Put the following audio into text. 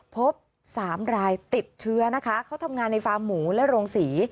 พบสามรายติดเชื้อนะคะเขาทำงานในฟาร์มหมูและโรงศรี